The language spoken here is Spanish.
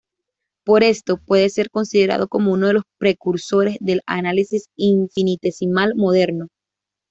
Por esto puede ser considerado como uno de los precursores del análisis infinitesimal moderno.